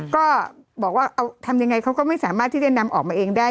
ก็บอกว่าเอาทำยังไงเขาก็ไม่สามารถที่จะนำออกมาเองได้